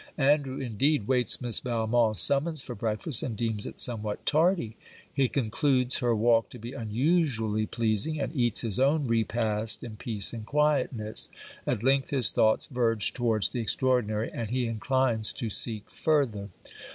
Andrew, indeed, waits Miss Valmont's summons for breakfast, and deems it somewhat tardy. He concludes her walk to be unusually pleasing, and eats his own repast in peace and quietness. At length, his thoughts verge towards the extraordinary, and he inclines to seek further.